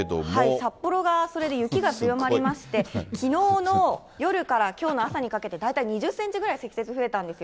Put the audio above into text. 札幌がそれで雪が強まりまして、きのうの夜からきょうの朝にかけて大体２０センチぐらい、積雪増えたんですよ。